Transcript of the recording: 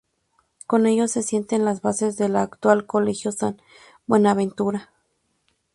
Con ello se sientan las bases del actual Colegio San Buenaventura.